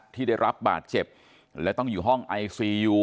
ที่ได้รับบาดเจ็บและต้องอยู่ห้องไอซียู